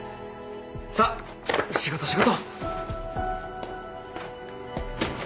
さあ仕事仕事。